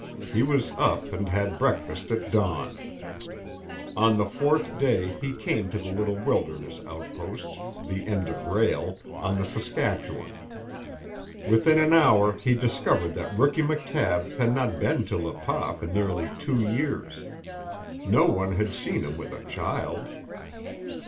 He was up and had breakfast at dawn. On the fourth day he came to the little wilderness outpost the end of rail on the Saskatchewan. Within an hour he discovered that Rookie McTabb had not been to Le Pas for nearly two years. No one had seen him with a child.